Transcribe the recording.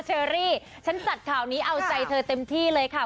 เชอรี่ฉันจัดข่าวนี้เอาใจเธอเต็มที่เลยค่ะ